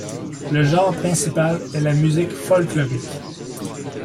Le genre principal est la musique folklorique.